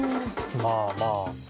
まあまあ。